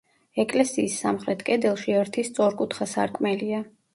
ეკლესიის სამხრეთ კედელში ერთი სწორკუთხა სარკმელია.